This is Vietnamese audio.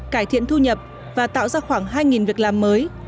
cải thiện thu nhập và tạo ra khoảng hai việc làm mới